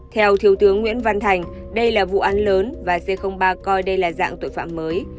theo thiếu tướng nguyễn văn thành đây là vụ án lớn và c ba coi đây là dạng tội phạm mới